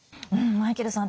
マイケルさん